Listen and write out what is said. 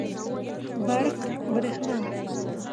برق √ بريښنا